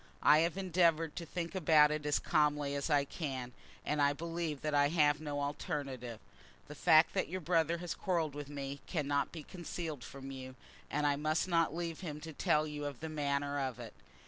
I have endeavoured to think about it as calmly as I can, and I believe that I have no alternative. The fact that your brother has quarrelled with me cannot be concealed from you, and I must not leave him to tell you of the manner of it.